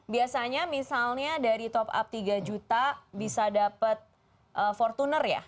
biasanya misalnya dari top up tiga juta bisa dapat fortuner ya